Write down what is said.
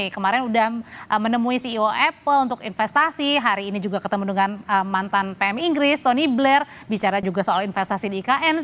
kemarin sudah menemui ceo apple untuk investasi hari ini juga ketemu dengan mantan pmi inggris tony blair bicara juga soal investasi di ikn